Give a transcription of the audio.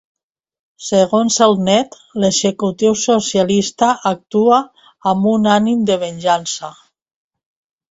Segons el nét, l’executiu socialista actua ‘amb un ànim de venjança’.